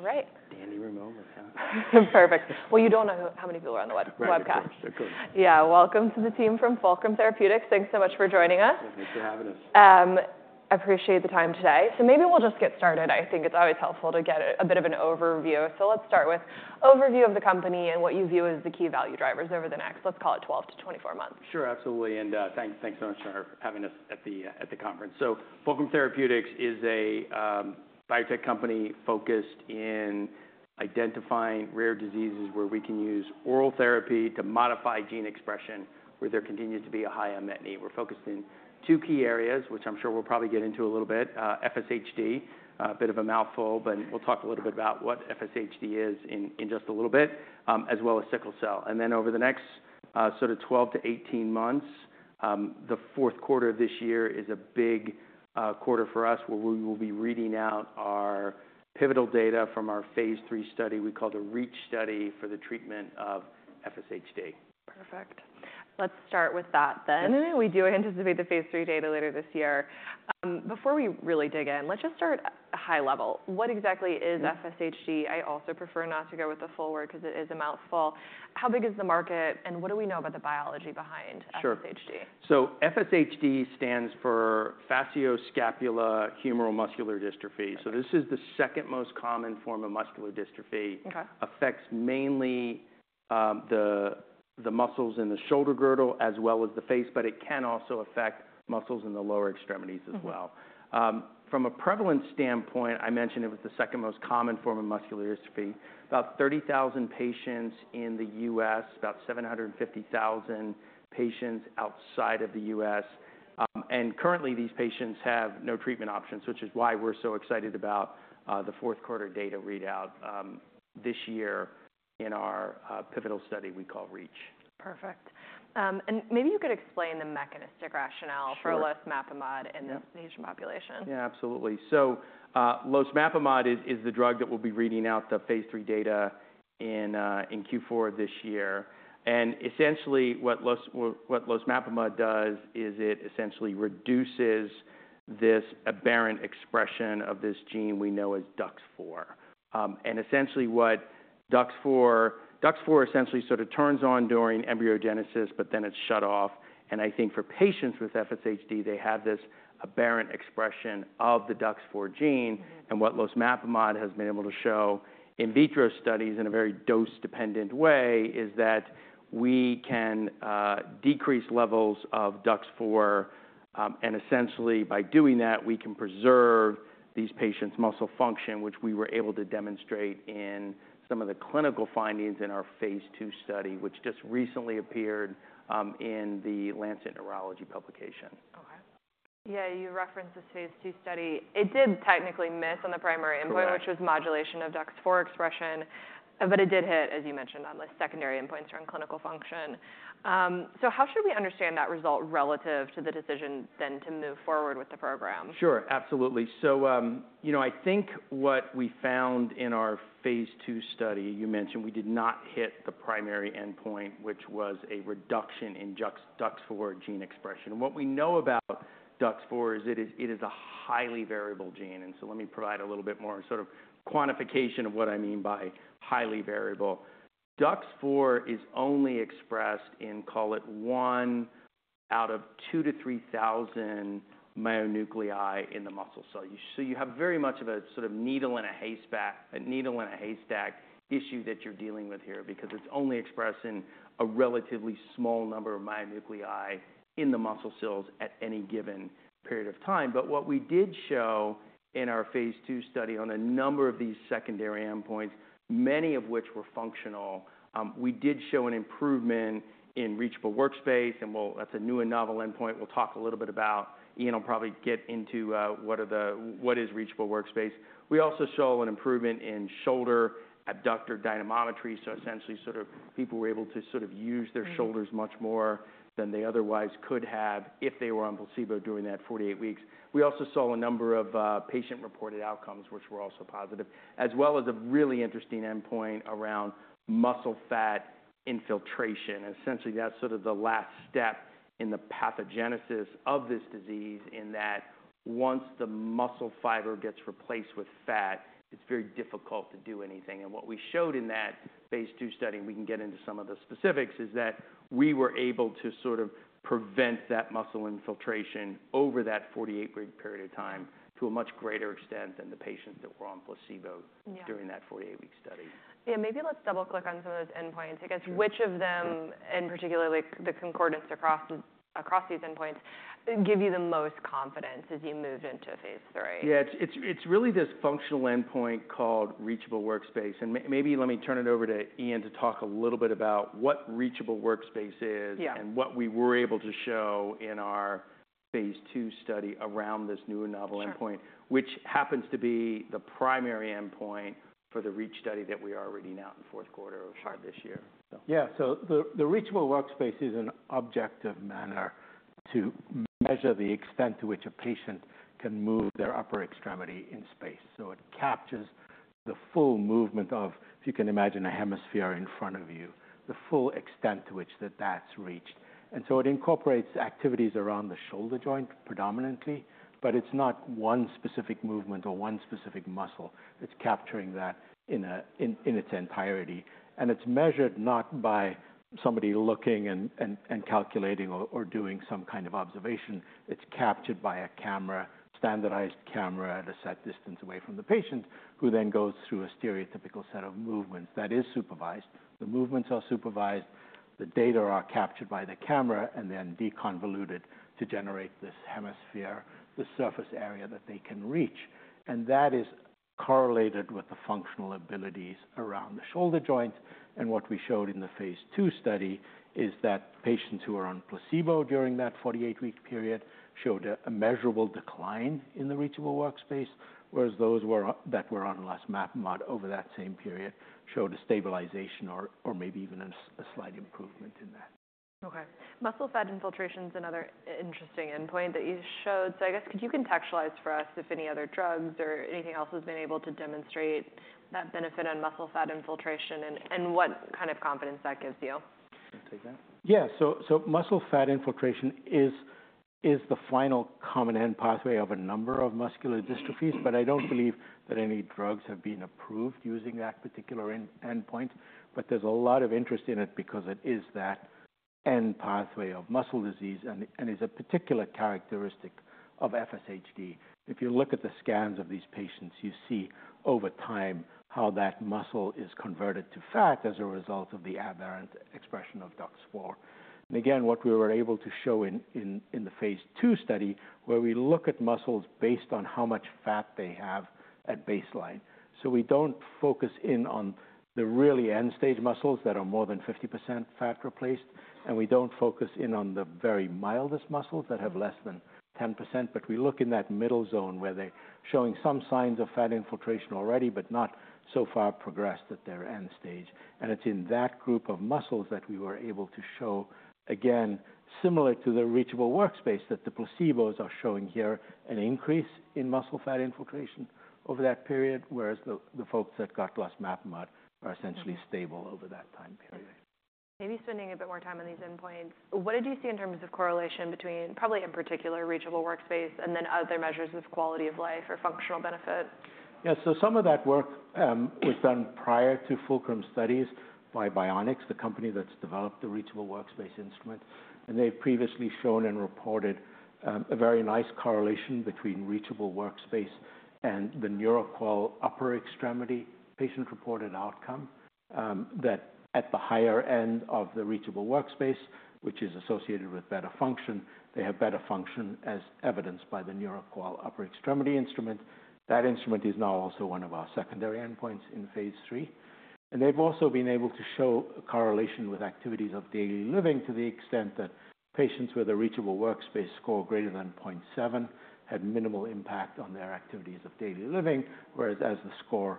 All right. Danny, Ramona. Perfect. Well, you don't know how many people are on the webcast. Of course. Of course. Yeah. Welcome to the team from Fulcrum Therapeutics. Thanks so much for joining us. Thanks for having us. I appreciate the time today. Maybe we'll just get started. I think it's always helpful to get a bit of an overview. Let's start with an overview of the company and what you view as the key value drivers over the next, let's call it, 12-24 months. Sure. Absolutely. And thanks so much for having us at the conference. So Fulcrum Therapeutics is a biotech company focused in identifying rare diseases where we can use oral therapy to modify gene expression where there continues to be a high unmet need. We're focused in two key areas, which I'm sure we'll probably get into a little bit, FSHD, a bit of a mouthful, but we'll talk a little bit about what FSHD is in just a little bit, as well as sickle cell. And then over the next sort of 12-18 months, the fourth quarter of this year is a big quarter for us where we will be reading out our pivotal data from our phase III study we call the REACH study for the treatment of FSHD. Perfect. Let's start with that then. We do anticipate the phase III data later this year. Before we really dig in, let's just start at a high level. What exactly is FSHD? I also prefer not to go with the full word because it is a mouthful. How big is the market, and what do we know about the biology behind FSHD? Sure. So FSHD stands for facioscapulohumeral muscular dystrophy. So this is the second most common form of muscular dystrophy. It affects mainly the muscles in the shoulder girdle as well as the face, but it can also affect muscles in the lower extremities as well. From a prevalence standpoint, I mentioned it was the second most common form of muscular dystrophy. About 30,000 patients in the U.S., about 750,000 patients outside of the U.S.. And currently, these patients have no treatment options, which is why we're so excited about the fourth quarter data readout this year in our pivotal study we call REACH. Perfect. Maybe you could explain the mechanistic rationale for losmapimod in the patient population? Yeah, absolutely. So losmapimod is the drug that we'll be reading out the phase III data in Q4 of this year. And essentially, what losmapimod does is it essentially reduces this aberrant expression of this gene we know as DUX4. And essentially, what DUX4 essentially sort of turns on during embryogenesis, but then it's shut off. And I think for patients with FSHD, they have this aberrant expression of the DUX4 gene. And what losmapimod has been able to show in vitro studies in a very dose-dependent way is that we can decrease levels of DUX4. And essentially, by doing that, we can preserve these patients' muscle function, which we were able to demonstrate in some of the clinical findings in our phase II study, which just recently appeared in the Lancet Neurology publication. Yeah. You referenced this phase II study. It did technically miss on the primary endpoint, which was modulation of DUX4 expression, but it did hit, as you mentioned, on the secondary endpoints around clinical function. How should we understand that result relative to the decision then to move forward with the program? Sure. Absolutely. So I think what we found in our phase II study, you mentioned we did not hit the primary endpoint, which was a reduction in DUX4 gene expression. What we know about DUX4 is it is a highly variable gene. And so let me provide a little bit more sort of quantification of what I mean by highly variable. DUX4 is only expressed in, call it, 1 out of 2,000-3,000 myonuclei in the muscle cell. So you have very much of a sort of needle in a haystack issue that you're dealing with here because it's only expressed in a relatively small number of myonuclei in the muscle cells at any given period of time. But what we did show in our phase II study on a number of these secondary endpoints, many of which were functional, we did show an improvement in reachable workspace. Well, that's a new and novel endpoint. We'll talk a little bit about. Iain will probably get into what is reachable workspace. We also saw an improvement in shoulder abductor dynamometry. So essentially, sort of people were able to sort of use their shoulders much more than they otherwise could have if they were on placebo during that 48 weeks. We also saw a number of patient-reported outcomes, which were also positive, as well as a really interesting endpoint around muscle fat infiltration. Essentially, that's sort of the last step in the pathogenesis of this disease in that once the muscle fiber gets replaced with fat, it's very difficult to do anything. What we showed in that phase II study, and we can get into some of the specifics, is that we were able to sort of prevent that muscle infiltration over that 48-week period of time to a much greater extent than the patients that were on placebo during that 48-week study. Yeah. Maybe let's double-click on some of those endpoints. I guess which of them, in particular, the concordance across these endpoints, give you the most confidence as you moved into phase III? Yeah. It's really this functional endpoint called Reachable Workspace. And maybe let me turn it over to Iain to talk a little bit about what Reachable Workspace is and what we were able to show in our phase II study around this new and novel endpoint, which happens to be the primary endpoint for the REACH study that we are reading out in the fourth quarter of this year. Yeah. So the Reachable Workspace is an objective manner to measure the extent to which a patient can move their upper extremity in space. So it captures the full movement of, if you can imagine, a hemisphere in front of you, the full extent to which that's reached. And so it incorporates activities around the shoulder joint predominantly, but it's not one specific movement or one specific muscle. It's capturing that in its entirety. And it's measured not by somebody looking and calculating or doing some kind of observation. It's captured by a camera, standardized camera at a set distance away from the patient, who then goes through a stereotypical set of movements that is supervised. The movements are supervised. The data are captured by the camera and then deconvoluted to generate this hemisphere, the surface area that they can reach. That is correlated with the functional abilities around the shoulder joint. What we showed in the phase II study is that patients who are on placebo during that 48-week period showed a measurable decline in the reachable workspace, whereas those that were on losmapimod over that same period showed a stabilization or maybe even a slight improvement in that. Okay. Muscle Fat Infiltration is another interesting endpoint that you showed. So I guess could you contextualize for us if any other drugs or anything else has been able to demonstrate that benefit on Muscle Fat Infiltration and what kind of confidence that gives you? Yeah. So Muscle Fat Infiltration is the final common end pathway of a number of muscular dystrophies, but I don't believe that any drugs have been approved using that particular endpoint. But there's a lot of interest in it because it is that end pathway of muscle disease and is a particular characteristic of FSHD. If you look at the scans of these patients, you see over time how that muscle is converted to fat as a result of the aberrant expression of DUX4. And again, what we were able to show in the phase II study where we look at muscles based on how much fat they have at baseline. So we don't focus in on the really end-stage muscles that are more than 50% fat replaced, and we don't focus in on the very mildest muscles that have less than 10%. But we look in that middle zone where they're showing some signs of fat infiltration already, but not so far progressed that they're end-stage. And it's in that group of muscles that we were able to show, again, similar to the reachable workspace that the placebos are showing here an increase in muscle fat infiltration over that period, whereas the folks that got losmapimod are essentially stable over that time period. Maybe spending a bit more time on these endpoints, what did you see in terms of correlation between probably in particular Reachable Workspace and then other measures of quality of life or functional benefit? Yeah. So some of that work was done prior to Fulcrum studies by BioNix, the company that's developed the Reachable Workspace instrument. And they've previously shown and reported a very nice correlation between Reachable Workspace and the Neuro-QoL Upper Extremity patient-reported outcome that at the higher end of the Reachable Workspace, which is associated with better function, they have better function as evidenced by the Neuro-QoL Upper Extremity instrument. That instrument is now also one of our secondary endpoints in phase III. And they've also been able to show a correlation with activities of daily living to the extent that patients with a Reachable Workspace score greater than 0.7 had minimal impact on their activities of daily living, whereas as the score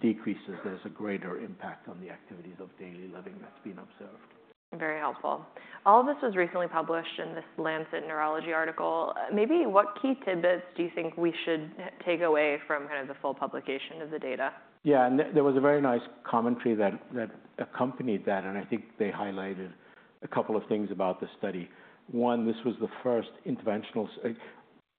decreases, there's a greater impact on the activities of daily living that's been observed. Very helpful. All of this was recently published in this Lancet Neurology article. Maybe what key tidbits do you think we should take away from kind of the full publication of the data? Yeah. There was a very nice commentary that accompanied that, and I think they highlighted a couple of things about the study. One, this was the first interventional,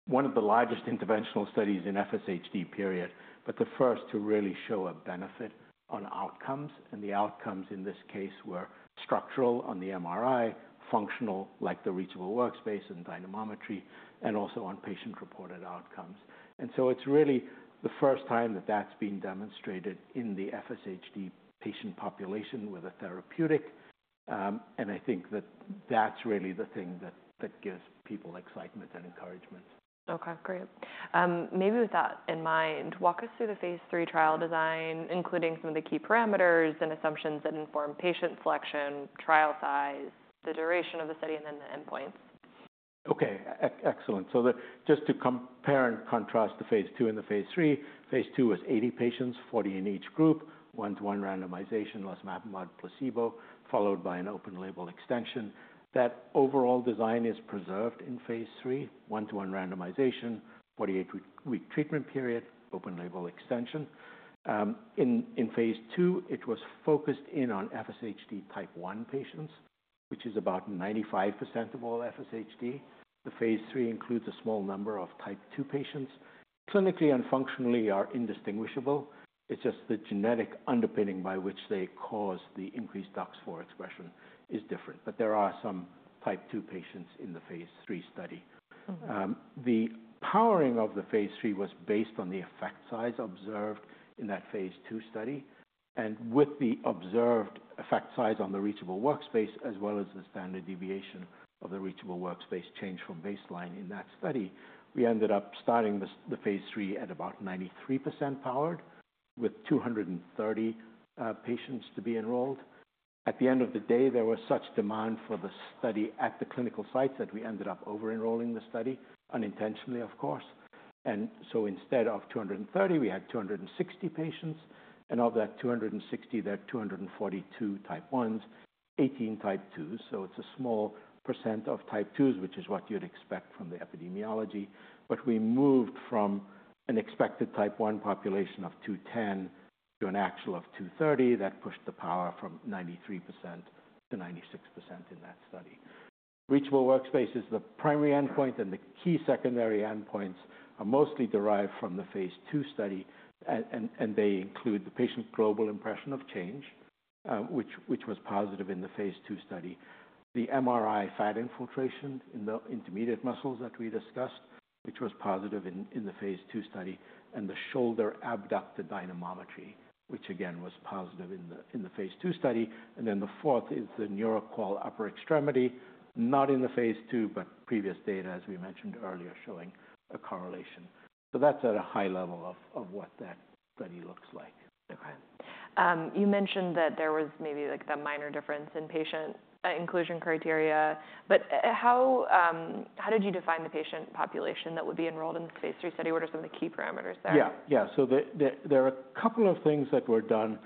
one of the largest interventional studies in FSHD, period, but the first to really show a benefit on outcomes. And the outcomes in this case were structural on the MRI, functional like the reachable workspace and dynamometry, and also on patient-reported outcomes. And so it's really the first time that that's been demonstrated in the FSHD patient population with a therapeutic. And I think that that's really the thing that gives people excitement and encouragement. Okay. Great. Maybe with that in mind, walk us through the phase III trial design, including some of the key parameters and assumptions that inform patient selection, trial size, the duration of the study, and then the endpoints. Okay. Excellent. So just to compare and contrast the phase II and the phase III, phase II was 80 patients, 40 in each group, one-to-one randomization, losmapimod placebo, followed by an open-label extension. That overall design is preserved in phase III, one-to-one randomization, 48-week treatment period, open-label extension. In phase II, it was focused in on FSHD type 1 patients, which is about 95% of all FSHD. The phase III includes a small number of type 2 patients. Clinically and functionally are indistinguishable. It's just the genetic underpinning by which they cause the increased DUX4 expression is different. But there are some type 2 patients in the phase III study. The powering of the phase III was based on the effect size observed in that phase II study. With the observed effect size on the reachable workspace as well as the standard deviation of the reachable workspace changed from baseline in that study, we ended up starting the phase III at about 93% powered with 230 patients to be enrolled. At the end of the day, there was such demand for the study at the clinical sites that we ended up over-enrolling the study unintentionally, of course. So instead of 230, we had 260 patients. And of that 260, there are 242 type 1s, 18 type 2s. So it's a small percent of type 2s, which is what you'd expect from the epidemiology. But we moved from an expected type 1 population of 210 to an actual of 230. That pushed the power from 93% to 96% in that study. Reachable Workspace is the primary endpoint, and the key secondary endpoints are mostly derived from the phase II study, and they include the Patient Global Impression of Change, which was positive in the phase II study, the MRI fat infiltration in the intermediate muscles that we discussed, which was positive in the phase II study, and the shoulder abductor dynamometry, which again was positive in the phase II study. And then the fourth is the Neuro-QoL Upper Extremity, not in the phase II, but previous data, as we mentioned earlier, showing a correlation. So that's at a high level of what that study looks like. Okay. You mentioned that there was maybe like the minor difference in patient inclusion criteria. But how did you define the patient population that would be enrolled in the phase III study? What are some of the key parameters there? Yeah. Yeah. So there are a couple of things that were done,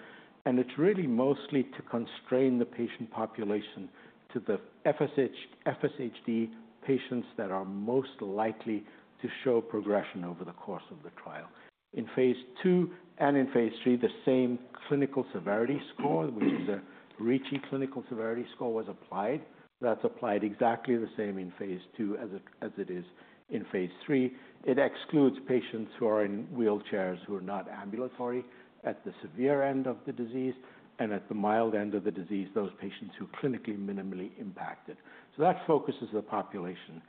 and it's really mostly to constrain the patient population to the FSHD patients that are most likely to show progression over the course of the trial. In phase II and in phase III, the same clinical severity score, which is a Ricci clinical severity score, was applied. That's applied exactly the same in phase II as it is in phase III. It excludes patients who are in wheelchairs who are not ambulatory at the severe end of the disease, and at the mild end of the disease, those patients who are clinically minimally impacted. So that focuses the population.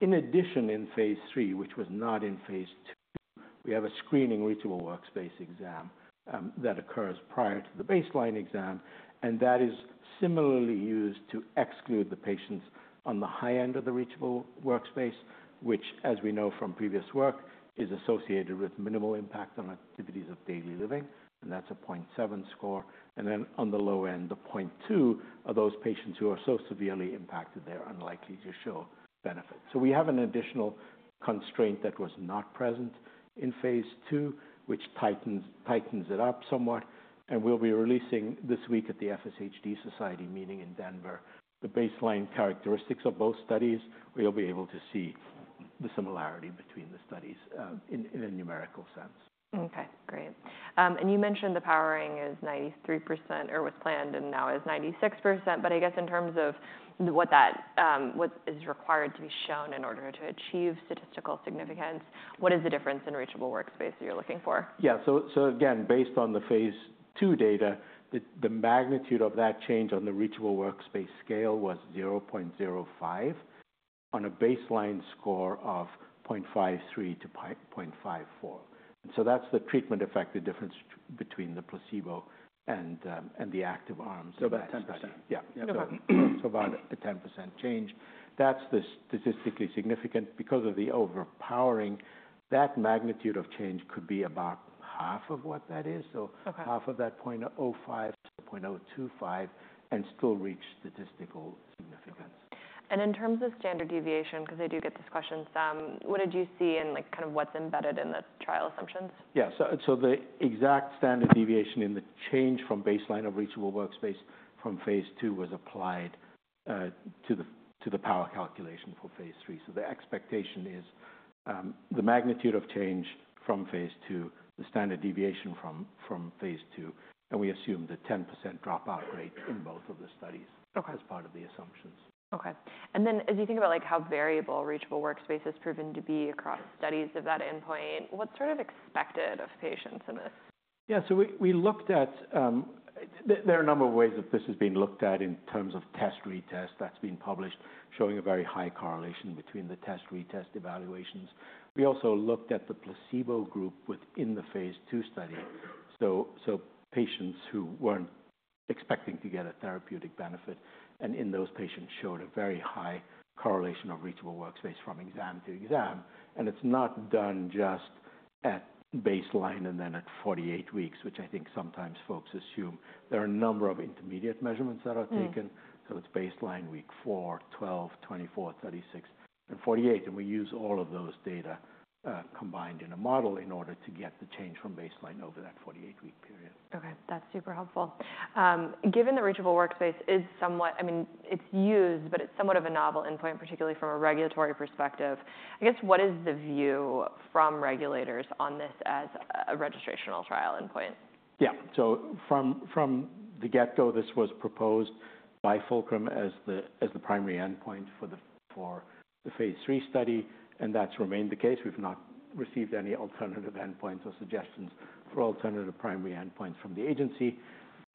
In addition, in phase III, which was not in phase II, we have a screening Reachable Workspace exam that occurs prior to the baseline exam, and that is similarly used to exclude the patients on the high end of the Reachable Workspace, which, as we know from previous work, is associated with minimal impact on activities of daily living, and that's a 0.7 score. And then on the low end, the 0.2 are those patients who are so severely impacted they're unlikely to show benefit. So we have an additional constraint that was not present in phase II, which tightens it up somewhat. And we'll be releasing this week at the FSHD Society meeting in Denver the baseline characteristics of both studies. We'll be able to see the similarity between the studies in a numerical sense. Okay. Great. And you mentioned the powering is 93% or was planned and now is 96%, but I guess in terms of what is required to be shown in order to achieve statistical significance, what is the difference in reachable workspace that you're looking for? Yeah. So again, based on the phase II data, the magnitude of that change on the reachable workspace scale was 0.05 on a baseline score of 0.53-0.54. So that's the treatment effect, the difference between the placebo and the active arms. About 10%. Yeah. So about a 10% change. That's the statistically significant because of the overpowering. That magnitude of change could be about half of what that is. So half of that 0.05-0.025 and still reach statistical significance. In terms of standard deviation, because I do get this question, what did you see and kind of what's embedded in the trial assumptions? Yeah. So the exact standard deviation in the change from baseline of Reachable Workspace from phase II was applied to the power calculation for phase III. So the expectation is the magnitude of change from phase II, the standard deviation from phase II, and we assume the 10% dropout rate in both of the studies as part of the assumptions. Okay. And then as you think about how variable Reachable Workspace has proven to be across studies of that endpoint, what's sort of expected of patients in this? Yeah. So we looked at there are a number of ways that this has been looked at in terms of test retest that's been published showing a very high correlation between the test retest evaluations. We also looked at the placebo group within the phase II study, so patients who weren't expecting to get a therapeutic benefit. And in those patients showed a very high correlation of reachable workspace from exam to exam. And it's not done just at baseline and then at 48 weeks, which I think sometimes folks assume. There are a number of intermediate measurements that are taken. So it's baseline week 4, 12, 24, 36, and 48. And we use all of those data combined in a model in order to get the change from baseline over that 48-week period. Okay. That's super helpful. Given the Reachable Workspace is somewhat, I mean, it's used, but it's somewhat of a novel endpoint, particularly from a regulatory perspective. I guess what is the view from regulators on this as a registrational trial endpoint? Yeah. So from the get-go, this was proposed by Fulcrum as the primary endpoint for the phase III study, and that's remained the case. We've not received any alternative endpoints or suggestions for alternative primary endpoints from the agency.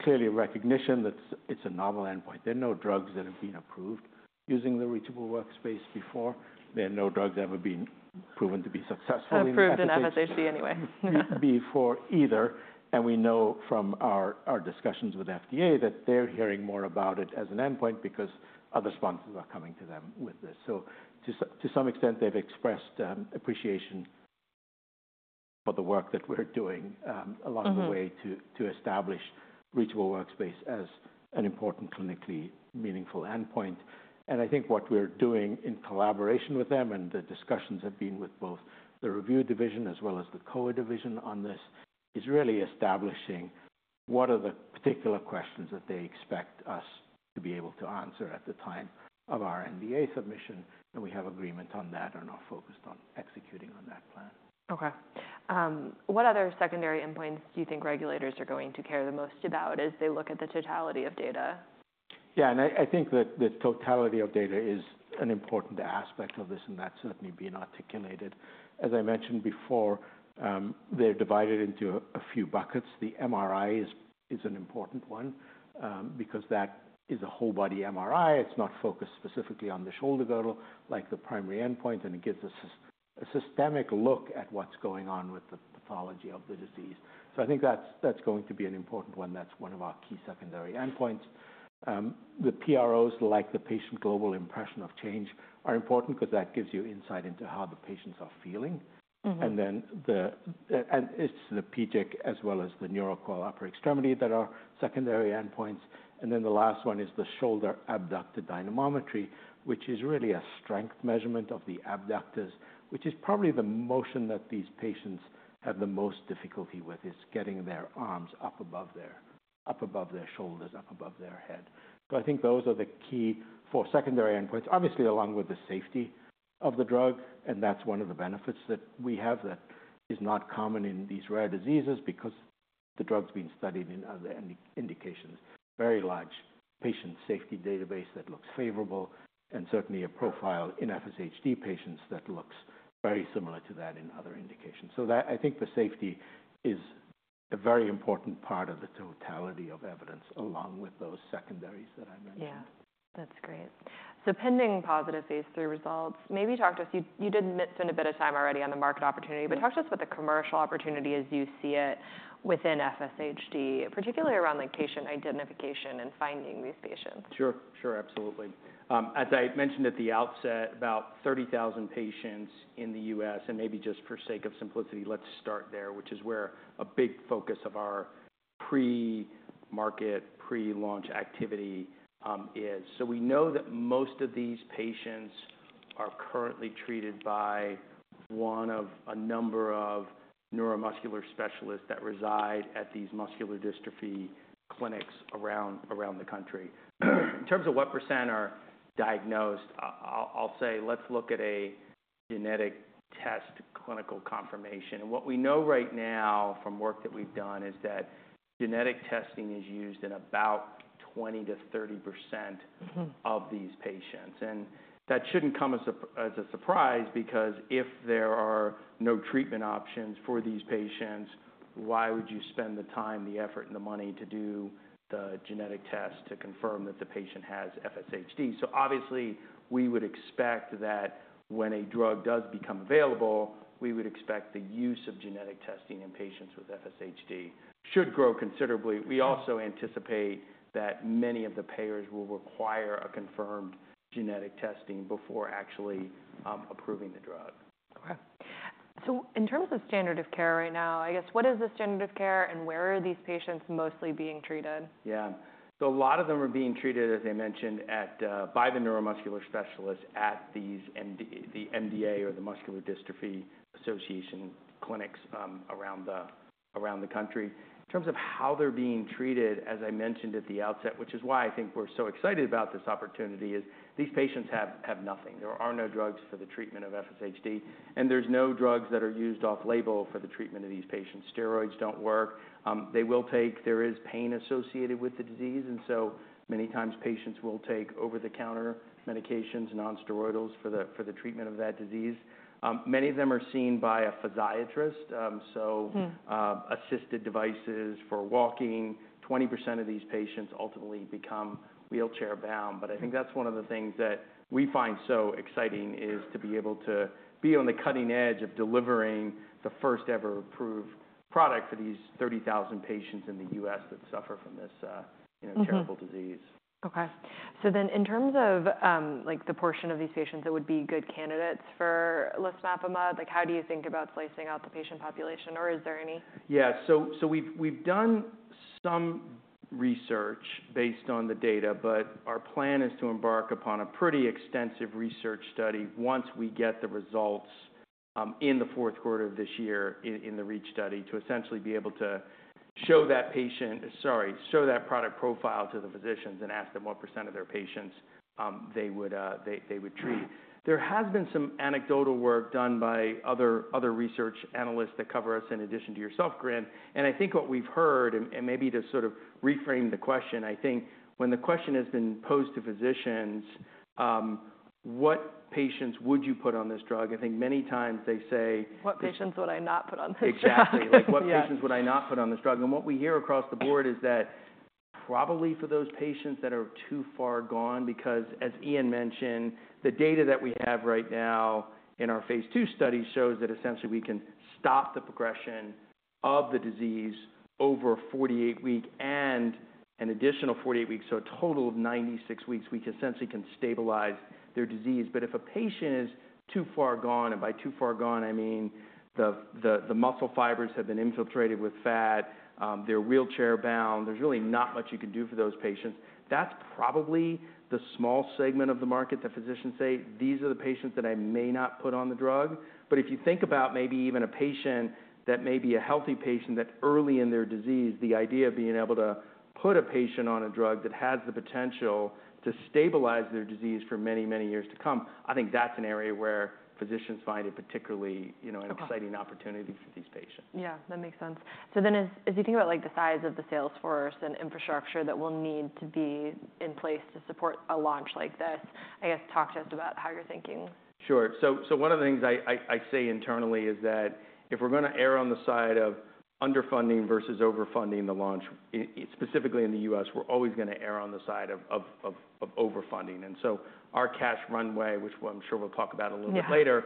Clearly, recognition that it's a novel endpoint. There are no drugs that have been approved using the reachable workspace before. There are no drugs ever being proven to be successful in the. Approved in FSHD anyway. Before either. And we know from our discussions with FDA that they're hearing more about it as an endpoint because other sponsors are coming to them with this. So to some extent, they've expressed appreciation for the work that we're doing along the way to establish Reachable Workspace as an important clinically meaningful endpoint. And I think what we're doing in collaboration with them, and the discussions have been with both the review division as well as the co-division on this, is really establishing what are the particular questions that they expect us to be able to answer at the time of our NDA submission. And we have agreement on that and are focused on executing on that plan. Okay. What other secondary endpoints do you think regulators are going to care the most about as they look at the totality of data? Yeah. I think that the totality of data is an important aspect of this, and that's certainly been articulated. As I mentioned before, they're divided into a few buckets. The MRI is an important one because that is a whole body MRI. It's not focused specifically on the shoulder girdle like the primary endpoint, and it gives us a systemic look at what's going on with the pathology of the disease. I think that's going to be an important one. That's one of our key secondary endpoints. The PROs, like the Patient Global Impression of Change, are important because that gives you insight into how the patients are feeling. And then it's the PGIC as well as the Neuro-QoL Upper Extremity that are secondary endpoints. And then the last one is the shoulder abductor dynamometry, which is really a strength measurement of the abductors, which is probably the motion that these patients have the most difficulty with, is getting their arms up above their shoulders, up above their head. So I think those are the key four secondary endpoints, obviously along with the safety of the drug. And that's one of the benefits that we have that is not common in these rare diseases because the drug's been studied in other indications. Very large patient safety database that looks favorable, and certainly a profile in FSHD patients that looks very similar to that in other indications. So I think the safety is a very important part of the totality of evidence along with those secondaries that I mentioned. Yeah. That's great. So pending positive phase III results, maybe talk to us. You did spend a bit of time already on the market opportunity, but talk to us about the commercial opportunity as you see it within FSHD, particularly around patient identification and finding these patients. Sure. Sure. Absolutely. As I mentioned at the outset, about 30,000 patients in the U.S., and maybe just for sake of simplicity, let's start there, which is where a big focus of our pre-market, pre-launch activity is. So we know that most of these patients are currently treated by one of a number of neuromuscular specialists that reside at these muscular dystrophy clinics around the country. In terms of what percent are diagnosed, I'll say let's look at a genetic test clinical confirmation. And what we know right now from work that we've done is that genetic testing is used in about 20%-30% of these patients. And that shouldn't come as a surprise because if there are no treatment options for these patients, why would you spend the time, the effort, and the money to do the genetic test to confirm that the patient has FSHD? So obviously, we would expect that when a drug does become available, we would expect the use of genetic testing in patients with FSHD should grow considerably. We also anticipate that many of the payers will require a confirmed genetic testing before actually approving the drug. Okay. So in terms of standard of care right now, I guess what is the standard of care and where are these patients mostly being treated? Yeah. So a lot of them are being treated, as I mentioned, by the neuromuscular specialists at the MDA or the Muscular Dystrophy Association clinics around the country. In terms of how they're being treated, as I mentioned at the outset, which is why I think we're so excited about this opportunity, is these patients have nothing. There are no drugs for the treatment of FSHD, and there's no drugs that are used off-label for the treatment of these patients. Steroids don't work. There is pain associated with the disease, and so many times patients will take over-the-counter medications, non-steroidals, for the treatment of that disease. Many of them are seen by a podiatrist, so assisted devices for walking. 20% of these patients ultimately become wheelchair-bound. I think that's one of the things that we find so exciting is to be able to be on the cutting edge of delivering the first-ever approved product for these 30,000 patients in the U.S. that suffer from this terrible disease. Okay. So then in terms of the portion of these patients that would be good candidates for losmapimod, how do you think about slicing out the patient population, or is there any? Yeah. So we've done some research based on the data, but our plan is to embark upon a pretty extensive research study once we get the results in the fourth quarter of this year in the REACH study to essentially be able to show that patient, sorry, show that product profile to the physicians and ask them what % of their patients they would treat. There has been some anecdotal work done by other research analysts that cover us in addition to yourself, Corrine. And I think what we've heard, and maybe to sort of reframe the question, I think when the question has been posed to physicians, "What patients would you put on this drug?" I think many times they say. What patients would I not put on this drug? Exactly. Like, "What patients would I not put on this drug?" And what we hear across the board is that probably for those patients that are too far gone because, as Iain mentioned, the data that we have right now in our phase II study shows that essentially we can stop the progression of the disease over 48 weeks and an additional 48 weeks, so a total of 96 weeks. We essentially can stabilize their disease. But if a patient is too far gone, and by too far gone, I mean the muscle fibers have been infiltrated with fat, they're wheelchair-bound, there's really not much you can do for those patients. That's probably the small segment of the market that physicians say, "These are the patients that I may not put on the drug." But if you think about maybe even a patient that may be a healthy patient that early in their disease, the idea of being able to put a patient on a drug that has the potential to stabilize their disease for many, many years to come, I think that's an area where physicians find it particularly an exciting opportunity for these patients. Yeah. That makes sense. So then as you think about the size of the salesforce and infrastructure that will need to be in place to support a launch like this, I guess talk to us about how you're thinking. Sure. So one of the things I say internally is that if we're going to err on the side of underfunding versus overfunding the launch, specifically in the U.S., we're always going to err on the side of overfunding. So our cash runway, which I'm sure we'll talk about a little bit later,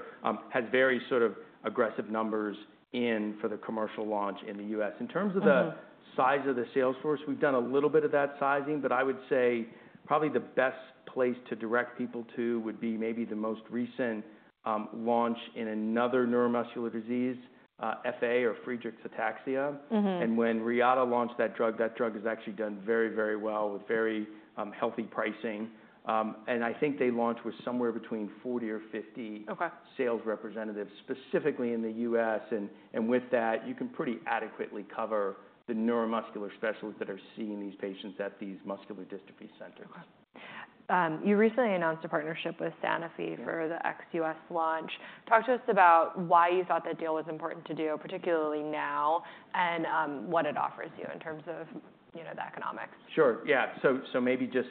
has very sort of aggressive numbers in for the commercial launch in the U.S.. In terms of the size of the salesforce, we've done a little bit of that sizing, but I would say probably the best place to direct people to would be maybe the most recent launch in another neuromuscular disease, FA or Friedreich's ataxia. And when Reata launched that drug, that drug has actually done very, very well with very healthy pricing. And I think they launched with somewhere between 40-50 sales representatives specifically in the U.S.. With that, you can pretty adequately cover the neuromuscular specialists that are seeing these patients at these muscular dystrophy centers. Okay. You recently announced a partnership with Sanofi for the ex-U.S. launch. Talk to us about why you thought that deal was important to do, particularly now, and what it offers you in terms of the economics. Sure. Yeah. So maybe just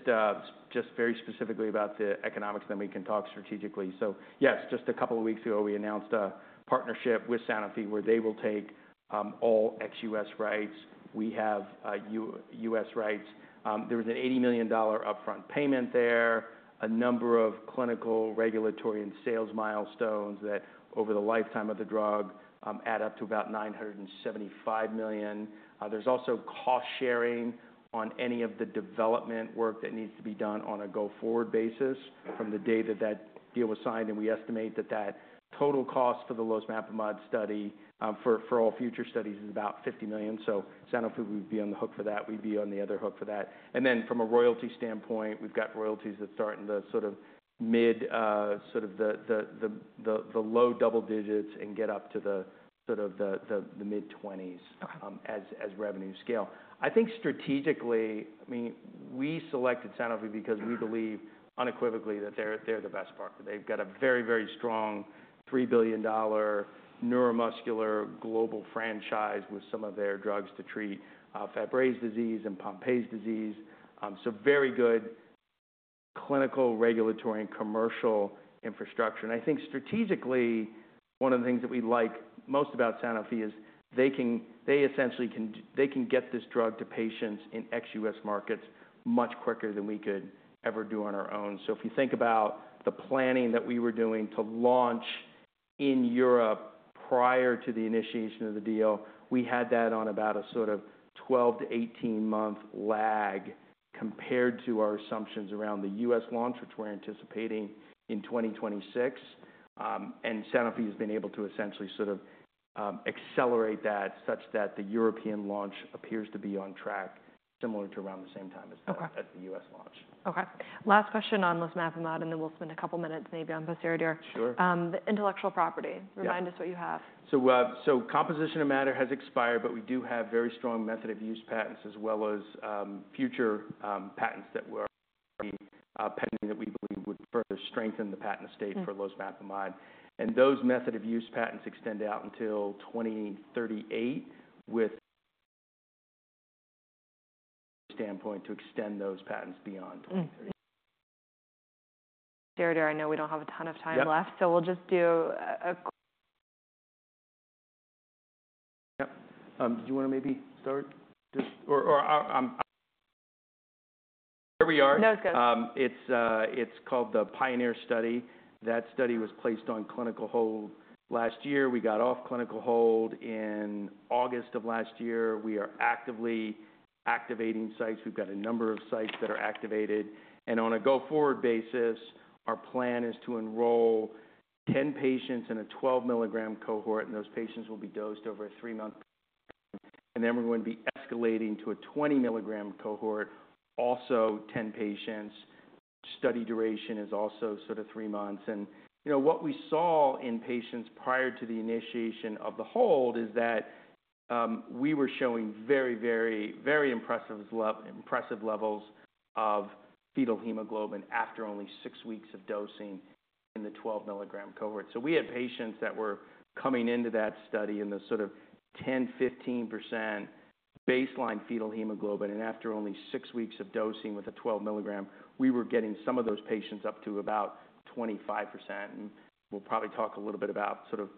very specifically about the economics, then we can talk strategically. So yes, just a couple of weeks ago, we announced a partnership with Sanofi where they will take all ex-U.S. rights. We have U.S. rights. There was an $80 million upfront payment there, a number of clinical, regulatory, and sales milestones that over the lifetime of the drug add up to about $975 million. There's also cost sharing on any of the development work that needs to be done on a go-forward basis from the day that that deal was signed. And we estimate that that total cost for the losmapimod study for all future studies is about $50 million. So Sanofi would be on the hook for that. We'd be on the other hook for that. Then from a royalty standpoint, we've got royalties that start in the sort of mid sort of the low double digits and get up to the sort of the mid-20s as revenue scale. I think strategically, I mean, we selected Sanofi because we believe unequivocally that they're the best partner. They've got a very, very strong $3 billion neuromuscular global franchise with some of their drugs to treat Fabry disease and Pompe disease. So very good clinical, regulatory, and commercial infrastructure. And I think strategically, one of the things that we like most about Sanofi is they essentially can get this drug to patients in ex-U.S. markets much quicker than we could ever do on our own. If you think about the planning that we were doing to launch in Europe prior to the initiation of the deal, we had that on about a sort of 12-18-month lag compared to our assumptions around the U.S. launch, which we're anticipating in 2026. Sanofi has been able to essentially sort of accelerate that such that the European launch appears to be on track, similar to around the same time as the U.S. launch. Okay. Last question on losmapimod, and then we'll spend a couple of minutes maybe on pociredir. The intellectual property. Remind us what you have. Composition of matter has expired, but we do have very strong method of use patents as well as future patents that we're pending that we believe would further strengthen the patent estate for losmapimod. Those method of use patents extend out until 2038 with the potential to extend those patents beyond 2038. Pociredir, I know we don't have a ton of time left, so we'll just do a. Yep. Do you want to maybe start? Or where we are? No, it's good. It's called the PIONEER Study. That study was placed on clinical hold last year. We got off clinical hold in August of last year. We are actively activating sites. We've got a number of sites that are activated. On a go-forward basis, our plan is to enroll 10 patients in a 12-milligram cohort, and those patients will be dosed over a three-month period. Then we're going to be escalating to a 20-milligram cohort, also 10 patients. Study duration is also sort of three months. What we saw in patients prior to the initiation of the hold is that we were showing very, very, very impressive levels of fetal hemoglobin after only six weeks of dosing in the 12-milligram cohort. So we had patients that were coming into that study in the sort of 10%-15% baseline fetal hemoglobin. After only 6 weeks of dosing with a 12-mg, we were getting some of those patients up to about 25%. We'll probably talk a little bit about sort of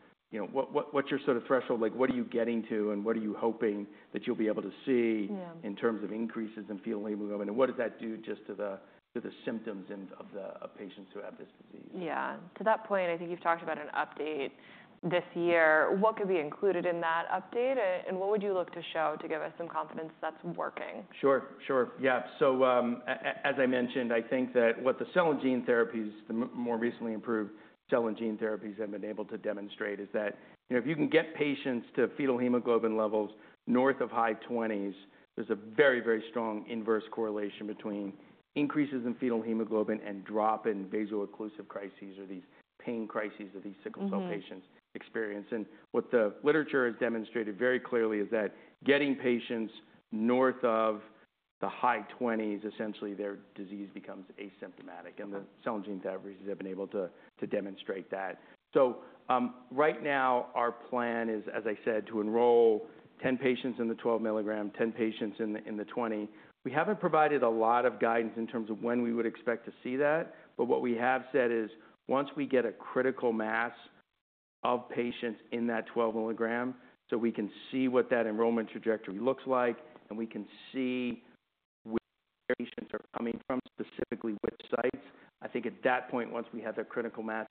what's your sort of threshold? What are you getting to, and what are you hoping that you'll be able to see in terms of increases in fetal hemoglobin? What does that do just to the symptoms of patients who have this disease? Yeah. To that point, I think you've talked about an update this year. What could be included in that update, and what would you look to show to give us some confidence that's working? Sure. Sure. Yeah. So as I mentioned, I think that what the cell and gene therapies, the more recently improved cell and gene therapies, have been able to demonstrate is that if you can get patients to fetal hemoglobin levels north of high 20s, there's a very, very strong inverse correlation between increases in fetal hemoglobin and drop in vaso-occlusive crises or these pain crises that these sickle cell patients experience. And what the literature has demonstrated very clearly is that getting patients north of the high 20s, essentially their disease becomes asymptomatic. And the cell and gene therapies have been able to demonstrate that. So right now, our plan is, as I said, to enroll 10 patients in the 12 mg, 10 patients in the 20. We haven't provided a lot of guidance in terms of when we would expect to see that, but what we have said is once we get a critical mass of patients in that 12-milligram, so we can see what that enrollment trajectory looks like, and we can see where patients are coming from, specifically which sites. I think at that point, once we have that critical mass,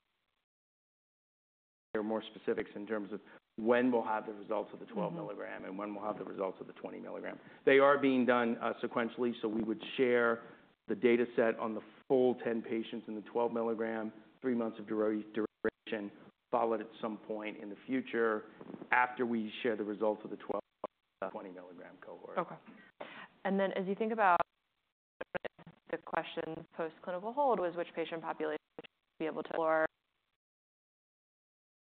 there are more specifics in terms of when we'll have the results of the 12-milligram and when we'll have the results of the 20-milligram. They are being done sequentially, so we would share the dataset on the full 10 patients in the 12-milligram, three months of duration, followed at some point in the future after we share the results of the 12-milligram cohort. Okay. And then as you think about the question post-clinical hold was which patient population would be able to. Or,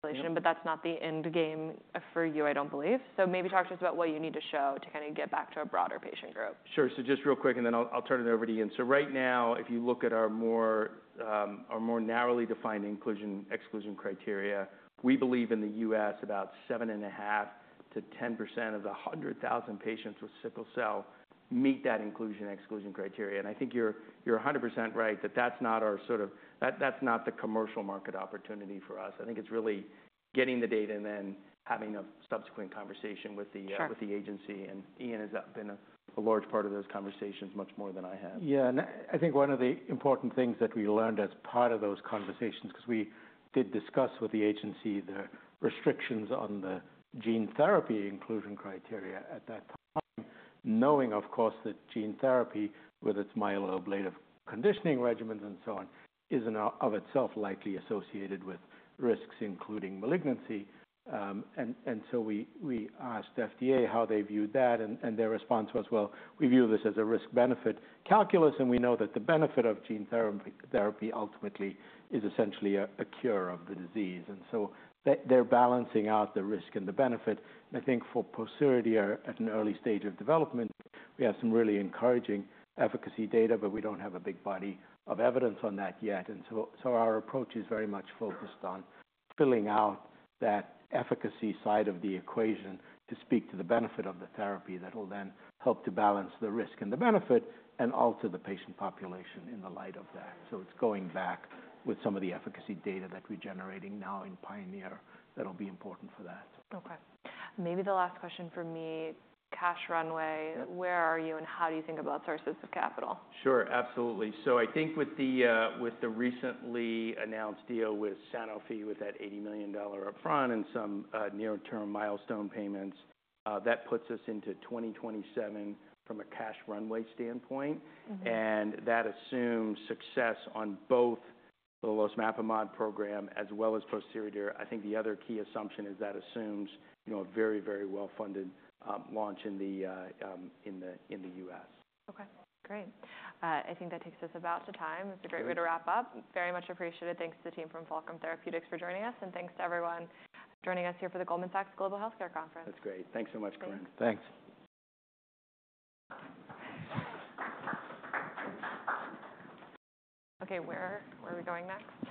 but that's not the end game for you, I don't believe. So maybe talk to us about what you need to show to kind of get back to a broader patient group. Sure. So just real quick, and then I'll turn it over to Ian. So right now, if you look at our more narrowly defined inclusion-exclusion criteria, we believe in the U.S. about 7.5%-10% of the 100,000 patients with sickle cell meet that inclusion-exclusion criteria. And I think you're 100% right that that's not our sort of that's not the commercial market opportunity for us. I think it's really getting the data and then having a subsequent conversation with the agency. And Ian has been a large part of those conversations much more than I have. Yeah. And I think one of the important things that we learned as part of those conversations, because we did discuss with the agency the restrictions on the gene therapy inclusion criteria at that time, knowing, of course, that gene therapy with its myeloablative conditioning regimens and so on is of itself likely associated with risks, including malignancy. And so we asked FDA how they viewed that, and their response was, "Well, we view this as a risk-benefit calculus, and we know that the benefit of gene therapy ultimately is essentially a cure of the disease." And so they're balancing out the risk and the benefit. And I think for pociredir at an early stage of development, we have some really encouraging efficacy data, but we don't have a big body of evidence on that yet. And so our approach is very much focused on filling out that efficacy side of the equation to speak to the benefit of the therapy that will then help to balance the risk and the benefit and alter the patient population in the light of that. So it's going back with some of the efficacy data that we're generating now in PIONEER that'll be important for that. Okay. Maybe the last question for me, Cash Runway, where are you, and how do you think about sources of capital? Sure. Absolutely. So I think with the recently announced deal with Sanofi with that $80 million upfront and some near-term milestone payments, that puts us into 2027 from a cash runway standpoint. And that assumes success on both the losmapimod program as well as pociredir. I think the other key assumption is that assumes a very, very well-funded launch in the U.S. Okay. Great. I think that takes us about to time. It's a great way to wrap up. Very much appreciated. Thanks to the team from Fulcrum Therapeutics for joining us, and thanks to everyone joining us here for the Goldman Sachs Global Healthcare Conference. That's great. Thanks so much, Corinne. Thanks. Okay. Where are we going next?